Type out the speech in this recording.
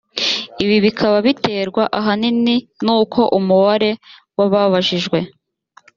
ibi bikaba biterwa ahanini n’uko umubare w’ababajijwe